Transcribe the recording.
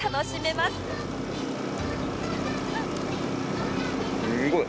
すごい！